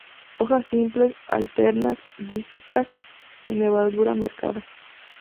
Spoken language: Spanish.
Hojas simples, alternas, dísticas, y nervadura marcada.